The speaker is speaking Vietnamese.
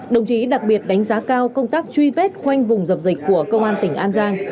đồng chí đặc biệt đánh giá cao công tác truy vết khoanh vùng dập dịch của công an tỉnh an giang